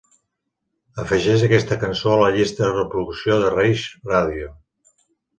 Afegeix aquesta cançó a la llista de reproducció de Rage Radio.